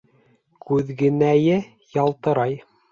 Күҙгенәйе ялтырай.